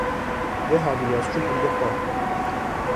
Vê havînê ez çûm gundê xwe